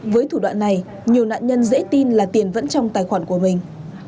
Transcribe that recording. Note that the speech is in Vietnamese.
với thủ đoạn này nhiều nạn nhân dễ tin là tiền vẫn trong tài khoản của mình